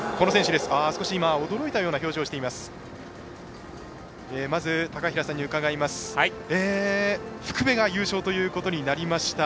少し驚いたような表情をしていました。